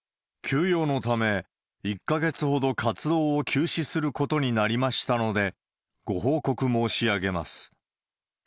休養のため、１か月ほど活動を休止することになりましたので、ご報告申し上げます。